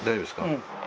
うん。